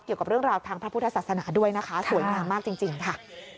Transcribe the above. เกี่ยวกับเรื่องราวทางพระพุทธศาสนาด้วยนะคะสวยงามมากจริงค่ะ